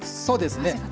そうですね。